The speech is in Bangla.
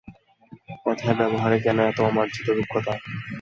কথায় ব্যবহারে কেন এত অমার্জিত রুক্ষতা?